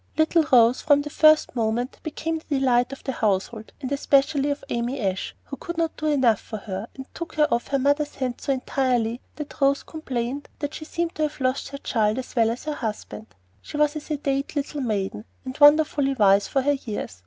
Little Rose from the first moment became the delight of the household, and especially of Amy Ashe, who could not do enough for her, and took her off her mother's hands so entirely that Rose complained that she seemed to have lost her child as well as her husband. She was a sedate little maiden, and wonderfully wise for her years.